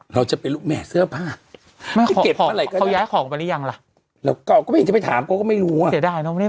เราจะไปลุกแม่เสื้อผ้าที่เก็บอะไรก็ได้เขาย้ายของไปหรือยังล่ะ